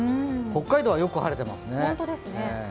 北海道はよく晴れてますね。